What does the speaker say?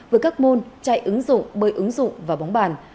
với các môn chạy ứng dụng bơi ứng dụng và bóng bàn